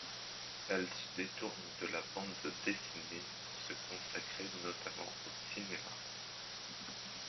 Elle se détourne ensuite de la bande dessinée pour se consacrer notamment au cinéma.